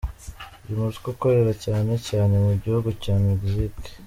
Uyu mutwe ukorera cyane cyane mu gihugu cya Mexique.